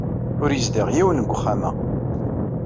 Ur yezdiɣ yiwen deg uxxam-a.